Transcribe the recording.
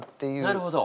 なるほど！